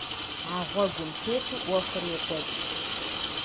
А гъуэгум тету Ӏуэхур йокӀуэкӀ.